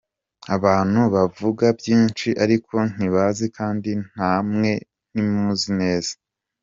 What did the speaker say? Abantu bamvuga byinshi ariko ntibanzi, kandi namwe ntimunzi neza.